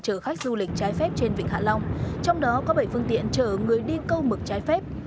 chở khách du lịch trái phép trên vịnh hạ long trong đó có bảy phương tiện chở người đi câu mực trái phép